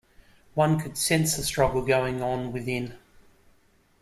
One could sense the struggle going on within.